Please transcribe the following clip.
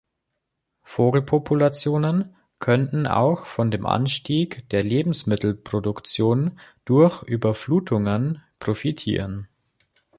Vogelpopulationen könnten auch von dem Anstieg der Lebensmittelproduktion durch Überflutungen profitieren.